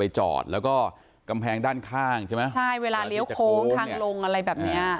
จอดแล้วก็กำแพงด้านข้างใช่ไหมใช่เวลาเลี้ยวโค้งทางลงอะไรแบบเนี้ย